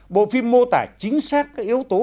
bộ phim mô tả chính xác các yếu tố